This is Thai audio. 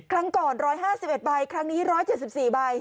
ครั้งก่อน๑๕๑ใบครั้งนี้๑๗๔ใบ